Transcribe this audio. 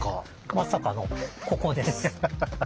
まさかのここです。